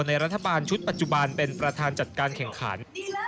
รัฐบาลชุดปัจจุบันเป็นประธานจัดการแข่งขัน